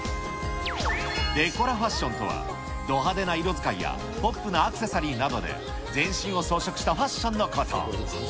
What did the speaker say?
デコラファッションとは、ド派手な色使いやポップなアクセサリーなどで全身を装飾したファッションのこと。